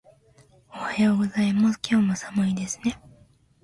おはようございます。今日も寒いですね。